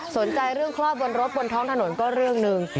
สนใจเรื่องคลอดบนรถบนท้องถนนก็เรื่องหนึ่ง